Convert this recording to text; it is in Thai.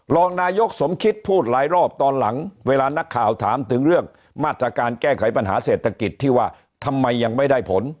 รองนายกสมคิดพูดหลายรอบตอนหลังเวลานักข่าวถามถึงเรื่องมาตรการแก้ไขปัญหาเศรษฐกิจที่ว่าทำไมยังไม่ได้ผล